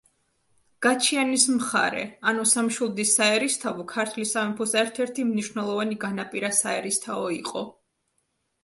გაჩიანის მხარე ანუ სამშვილდის საერისთავო ქართლის სამეფოს ერთ-ერთი მნიშვნელოვანი განაპირა საერისთავო იყო.